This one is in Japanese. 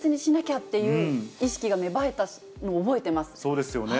そうですよね。